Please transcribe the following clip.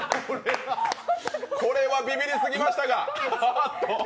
これはビビりすぎましたか。